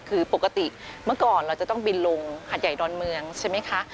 คือปกติเมื่อก่อนเราจะต้องบินลงหัดใหญ่ดอนเมืองใช่ไหมคะ